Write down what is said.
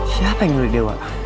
siapa yang ngeluhin dewa